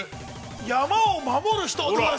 山を守る人。